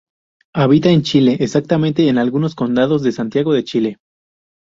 Habita en Chile.Exactamente en algunos condados de Santiago de Chile.